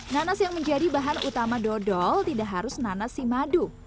nanas yang menjadi bahan utama dodol tidak harus nanas si madu